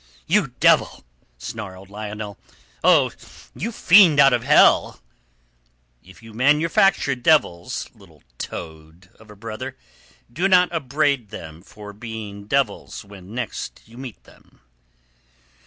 "You devil!" snarled Lionel. "Oh, you fiend out of hell!" "If you will manufacture devils, little toad of a brother, do not upbraid them for being devils when next you meet them."